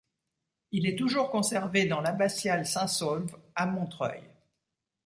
Il est toujours conservé dans l'abbatiale Saint-Saulve à Montreuil.